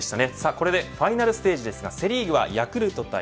これでファイナルステージですがセ・リーグはヤクルト対